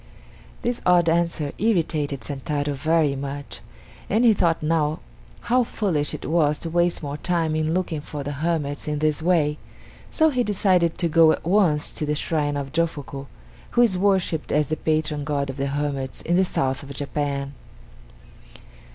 This odd answer irritated Sentaro very much, and he thought how foolish it was to waste more time in looking for the hermits in this way, so he decided to go at once to the shrine of Jofuku, who is worshipped as the patron god of the hermits in the South of Japan.